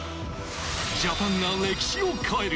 ジャパンが歴史を変える！